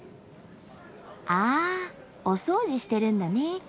あお掃除してるんだね。